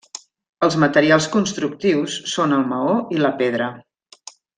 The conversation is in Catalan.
Els materials constructius són el maó i la pedra.